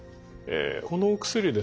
このお薬ですね